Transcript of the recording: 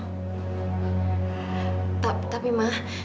pak tapi ma